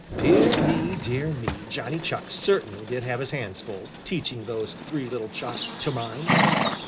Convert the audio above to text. Dear me, dear me, Johnny Chuck certainly did have his hands full, teaching those three little Chucks to mind!